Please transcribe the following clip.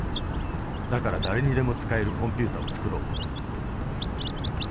だから誰にでも使えるコンピューターを作ろう。